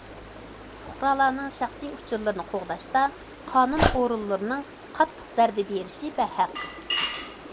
پۇقرالارنىڭ شەخسىي ئۇچۇرلىرىنى قوغداشتا قانۇن ئورۇنلىرىنىڭ قاتتىق زەربە بېرىشى بەرھەق.